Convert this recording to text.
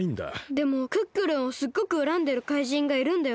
でもクックルンをすっごくうらんでる怪人がいるんだよね？